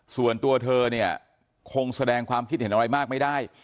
ส่วนตัวเธอเนี่ยคงแสดงความคิดเห็นอะไรมากไม่ได้